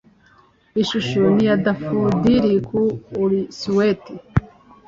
Ishusho ni ya dafodili kuri Ullswater